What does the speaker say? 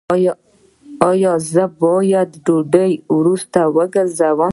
ایا زه باید له ډوډۍ وروسته وګرځم؟